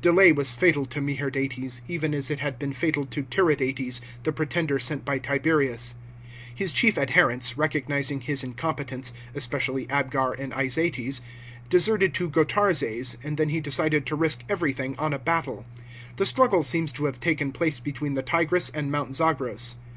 Delay was fatal to Meherdates, even as it had been fatal to Tiridates, the pretender sent by Tiberius. His chief adherents, recognising his incompetence, especially Abgar and Izates, deserted to G otarzes, and then he decided to risk everything on a battle. The struggle seems to have taken place between the Tigris and Mount Zagros.